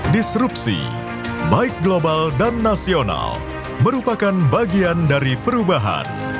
disrupsi baik global dan nasional merupakan bagian dari perubahan